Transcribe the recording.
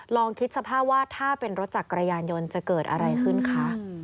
ลองคิดสภาพว่าถ้าเป็นรถจักรยานยนต์จะเกิดอะไรขึ้นคะ